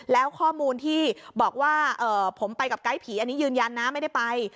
แล้วข้อมูลที่บอกว่าผมไปกับไกด์ผีอันนี้ยืนยันนะไม่ได้ไป